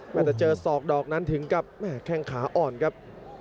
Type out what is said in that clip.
แต่เจอศอกดอกนั้นถึงกับแม่แข้งขาอ่อนครับ